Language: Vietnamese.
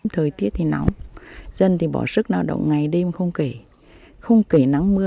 thời tiết thì nóng dân thì bỏ sức nào động ngày đêm không kể không kể nắng mưa